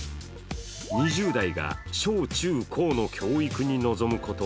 ２０代が小中高の教育委望むこと